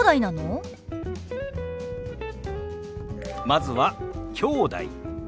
まずは「きょうだい」。